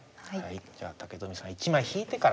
じゃあ武富さん１枚引いてから。